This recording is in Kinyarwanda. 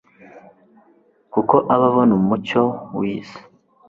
kuko aba abona umucyo w iyi si